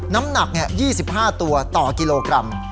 น้ำหนัก๒๕ตัวต่อกิโลกรัม